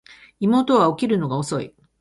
妹は起きるのが遅い